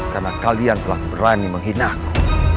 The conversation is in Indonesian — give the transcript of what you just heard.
karena kalian telah berani menghina aku